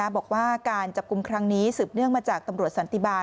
บอกว่าการจับกลุ่มครั้งนี้สืบเนื่องมาจากตำรวจสันติบาล